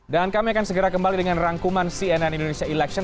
dan kami akan segera kembali dengan rangkuman cnn indonesia election